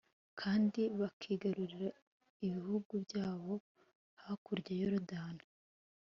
kandi bakigarurira ibihugu byabo hakurya ya yorudani